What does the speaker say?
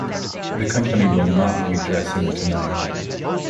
The company will not be dressing tonight.